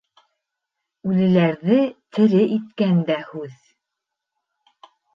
Үлеләрҙе тере иткән дә һүҙ